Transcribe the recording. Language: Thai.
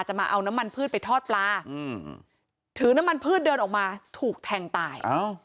มาเอาน้ำมันพืชไปทอดปลาถือน้ำมันพืชเดินออกมาถูกแทงตาย